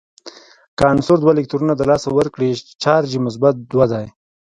که عنصر دوه الکترونونه د لاسه ورکړي چارج یې مثبت دوه دی.